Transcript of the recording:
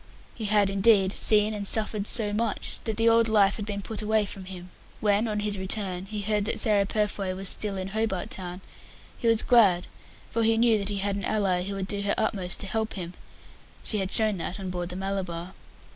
He had, indeed, seen and suffered so much that the old life had been put away from him. When, on his return, he heard that Sarah Purfoy was still in Hobart Town, he was glad, for he knew that he had an ally who would do her utmost to help him she had shown that on board the Malabar.